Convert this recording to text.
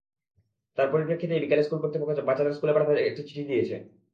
তার পরিপ্রেক্ষিতেই বিকেলে স্কুল কর্তৃপক্ষ বাচ্চাদের স্কুলে পাঠাতে একটি চিঠি দিয়েছে।